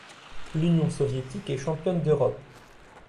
L'Union soviétique est championne d'Europe.